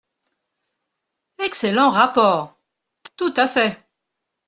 Excellent rapport ! Tout à fait.